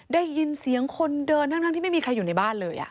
ได้ยินเสียงคนเดินทั้งที่ไม่มีใครอยู่ในบ้านเลย